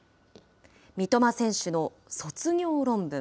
三笘選手の卒業論文。